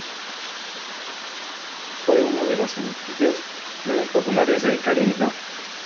Fue uno de los sencillos menos populares de Kylie Minogue.